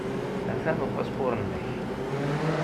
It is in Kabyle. Atan upaspuṛ-nnek.